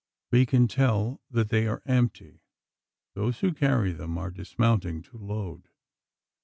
We can tell that they are empty. Those who carry them are dismounting to load.